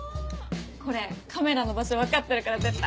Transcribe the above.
これカメラの場所分かってるから絶対。